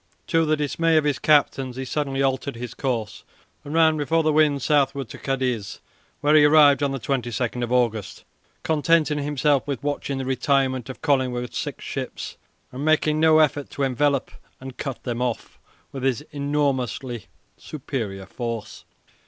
To the dismay of his captains he suddenly altered his course and ran before the wind southward to Cadiz, where he arrived on 22 August, contenting himself with watching the retirement of Collingwood's six ships and making no effort to envelop and cut them off with his enormously superior force.